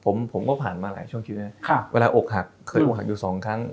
ผมผมก็ผ่านมาหลายช่วงชีวิตนะเวลาอกหักเคยอกหักอยู่สองครั้ง